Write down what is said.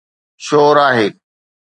شور آهي.